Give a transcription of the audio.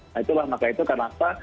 nah itulah maka itu karena apa